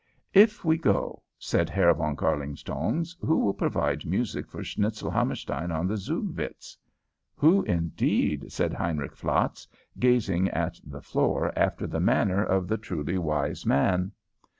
"If we go," said Herr Von Kärlingtongs, "who will provide music for Schnitzelhammerstein on the Zugvitz?" "Who, indeed?" said Heinrich Flatz, gazing at the floor after the manner of the truly wise man.